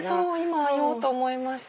今言おうと思いました。